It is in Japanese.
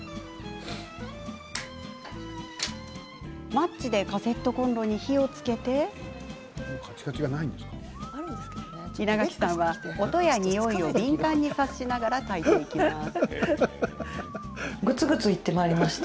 マッチでカセットコンロに火をつけて稲垣さんは、音やにおいを敏感に察しながら炊いていきます。